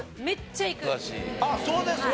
あっそうですか！